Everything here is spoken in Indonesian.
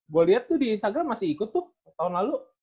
gue lihat tuh di instagram masih ikut tuh tahun lalu